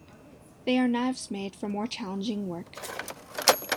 They are knives made for more challenging work.